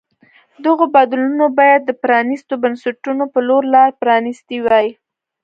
دغو بدلونونو باید د پرانیستو بنسټونو په لور لار پرانیستې وای.